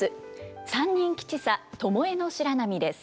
「三人吉三巴白波」です。